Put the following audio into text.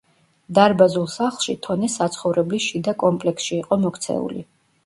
დარბაზულ სახლში თონე საცხოვრებლის შიდა კომპლექსში იყო მოქცეული.